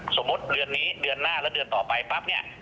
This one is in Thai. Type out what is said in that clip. สมมุติเดือนนี้เดือนหน้าและเดือนต่อไปปั๊บเนี่ย